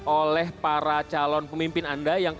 oleh para calon pemimpin anda